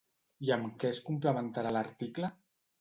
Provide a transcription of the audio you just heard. I amb què es complementarà l'article?